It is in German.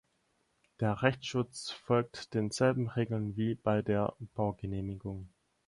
Der Rechtsschutz folgt denselben Regeln wie bei der Baugenehmigung.